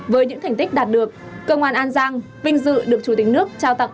với những thành tích đạt được công an an giang vinh dự được chủ tịch nước trao tặng